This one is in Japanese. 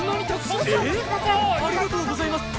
ありがとうございます！